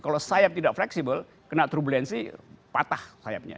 kalau sayap tidak fleksibel kena turbulensi patah sayapnya